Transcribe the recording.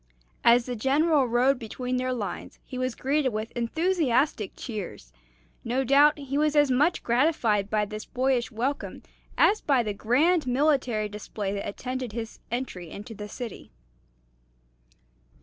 As the General rode between their lines he was greeted with enthusiastic cheers. No doubt he was as much gratified by this boyish welcome as by the grand military display that attended his entry into the city.